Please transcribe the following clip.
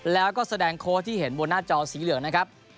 แล้วก็แสดงโค้ชที่เห็นบนหน้าจอสีเหลืองนะครับ